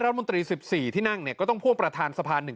รัฐมนตรีสิบสี่ที่นั่งเนี่ยก็ต้องพ่อประธานสภาหนึ่ง